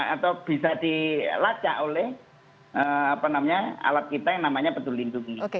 atau bisa dilacak oleh alat kita yang namanya peduli lindungi